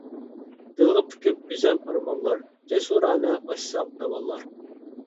دىلغا پۈكۈپ گۈزەل ئارمانلار، جەسۇرانە ئاشساق داۋانلار.